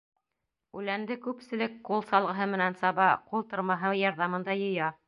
Үләнде күпселек ҡул салғыһы менән саба, ҡул тырмаһы ярҙамында йыя.